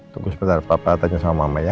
tunggu sebentar papa tanya sama mama ya